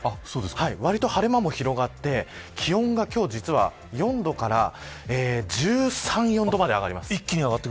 わりと晴れ間も広がって気温が今日は実は、４度から１３、１４度まで上がります。